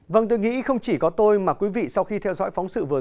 vâng tôi nghĩ không chỉ có tôi mà quý vị sau khi theo dõi phóng sự vừa rồi